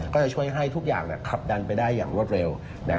ก็จะช่วยให้ทุกอย่างขับดันไปได้อย่างรวดเร็ว